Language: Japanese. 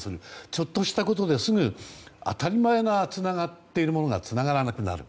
ちょっとしたことですぐに当たり前につながっているものがつながらなくなる。